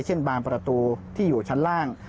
เช่นบางประตูที่อยู่ชั้นล่าง